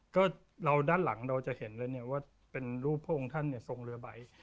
ก็เราด้านหลังเราจะเห็นเลยเนี่ยว่าเป็นรูปพระองค์ท่านเนี่ยทรงเรือใบ